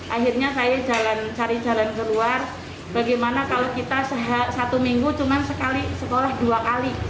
akhirnya saya cari jalan keluar bagaimana kalau kita satu minggu cuma sekali sekolah dua kali